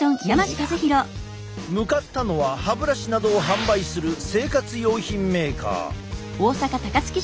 向かったのは歯ブラシなどを販売する生活用品メーカー。